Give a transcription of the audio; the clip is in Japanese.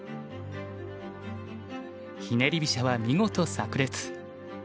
ひねり飛車は見事さく裂。